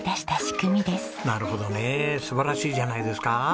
なるほどね素晴らしいじゃないですか。